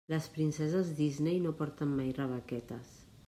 Les princeses Disney no porten mai rebequetes.